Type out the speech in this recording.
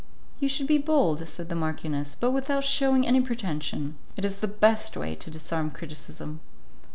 "You should be bold," said the marchioness, "but without showing any pretension. It is the best way to disarm criticism."